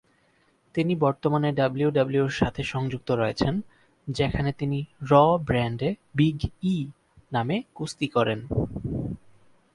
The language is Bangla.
তিনি বর্তমানে ডাব্লিউডাব্লিউইর সাথে সংযুক্ত রয়েছেন, যেখানে তিনি র ব্র্যান্ডে বিগ ই নামে কুস্তি করেন।